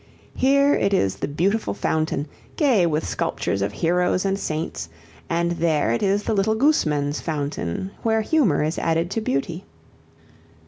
Here it is the Beautiful Fountain, gay with sculptures of heroes and saints, and there it is the Little Gooseman's Fountain where humor is added to beauty.